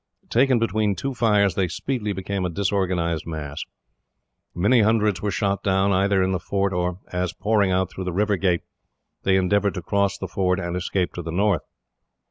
Taken between two fires, they speedily became a disorganised mass. Many hundreds were shot down, either in the fort or as, pouring out through the river gate, they endeavoured to cross the ford and escape to the north.